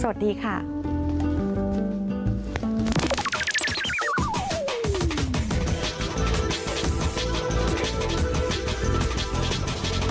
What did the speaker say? โปรดติดตามตอนต่อไป